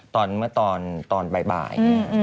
ตอนเมื่อตอนตอนบ่าย